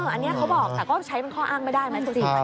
อันนี้เขาบอกแต่ก็ใช้เป็นข้ออ้างไม่ได้ไหม